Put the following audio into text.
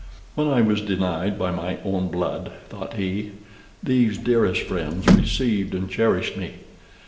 "When I was denied by my own blood," thought he, "these dearest friends received and cherished me.